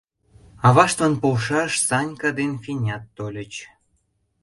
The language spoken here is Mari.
Аваштлан полшаш Санька ден Фенят тольыч.